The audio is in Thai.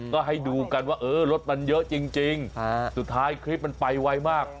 ก็ให้ดูกันว่าเออรถมันเยอะจริงสุดท้ายคลิปมันไปไวมาก